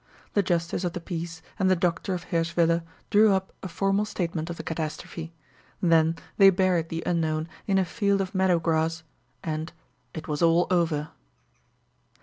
The justice of the peace and the doctor of Hirschwiller drew up a formal statement of the catastrophe; then they buried the unknown in a field of meadow grass and it was all over!